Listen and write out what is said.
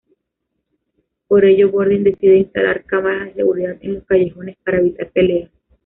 Por ello, Bordin decide instalar cámaras de seguridad en los callejones para evitar peleas.